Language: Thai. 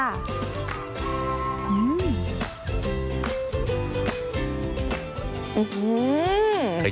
นี่เลยค่ะ